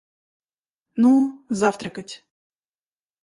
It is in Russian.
Ну, завтракать.